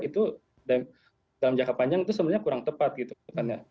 itu dalam jangka panjang itu sebenarnya kurang tepat gitu